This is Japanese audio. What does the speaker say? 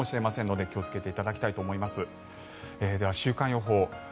では、週間予報。